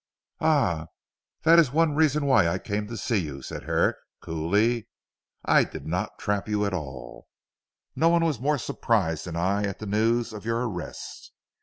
"Ah! That is one reason why I came to see you," said Herrick coolly, "I did not trap you at all. No one was more surprised than I at the news of your arrest.